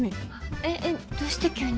ええっどうして急に。